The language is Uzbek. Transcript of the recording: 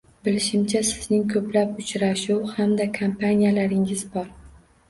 Bilishimcha, sizning koʻplab uchrashuv hamda kompaniyalaringiz bor.